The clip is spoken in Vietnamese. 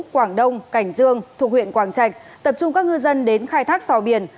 quảng đông cảnh dương thuộc huyện quảng trạch tập trung các ngư dân đến khai thác sò biển